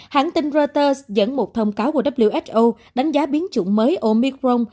hãng tin reuters dẫn một thông cáo của who đánh giá biến chủng mới omicron